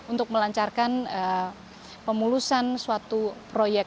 untuk melancarkan pemulusan suatu proyek